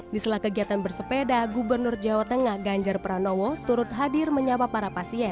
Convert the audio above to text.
di sela kegiatan bersepeda gubernur jawa tengah ganjar pranowo turut hadir menyapa para pasien